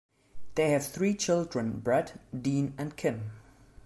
They have three children, Brett, Dean and Kim.